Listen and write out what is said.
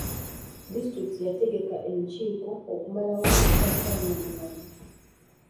Disitulikiti yategeka enkiiko okumalawo obutakkaanya mu bantu.